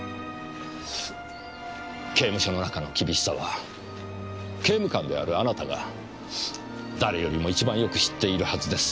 刑務所の中の厳しさは刑務官であるあなたが誰よりも一番よく知っているはずです。